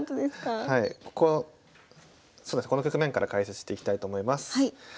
この局面から解説していきたいと思います。